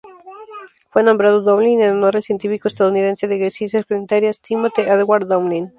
Fue nombrado Dowling en honor al científico estadounidense de ciencias planetarias Timothy Edward Dowling.